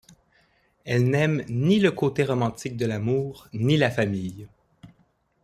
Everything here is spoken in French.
Elle n'aime ni le côté romantique de l'amour ni la famille.